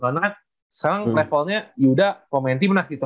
karena sekarang levelnya yuda pemain timnas gitu